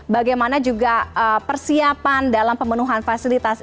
bagaimana juga persiapan dalam pemenuhan fasilitas